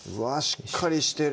しっかりしてる